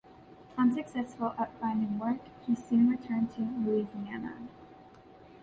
Unsuccessful at finding work, he soon returned to Louisiana.